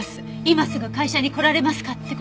今すぐ会社に来られますか？」って